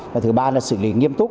và thứ ba là xử lý nghiêm túc